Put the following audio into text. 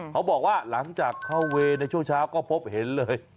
เขาบอกว่าหลังจากเข้าเวย์ในช่วงเช้าก็พบเห็นเลย